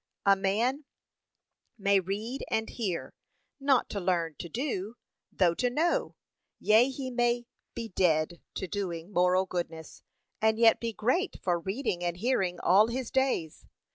A man may read and hear, not to learn to do, though to know; yea he may be dead to doing moral goodness, and yet be great for reading and hearing all his days.